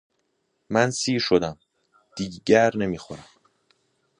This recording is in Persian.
من سیر شدم دیگر نمیخورم